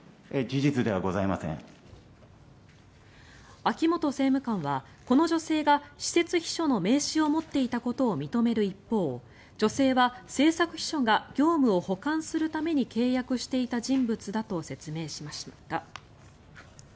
秋本政務官はこの女性が私設秘書の名刺を持っていたことを認める一方女性は政策秘書が業務を補完するために契約していた人物だと説明しました。